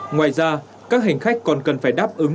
ngoài ra các hành khách còn cần phải đáp ứng